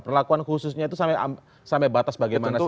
perlakuan khususnya itu sampai batas bagaimana sih